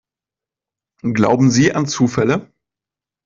Glauben Sie an Zufälle?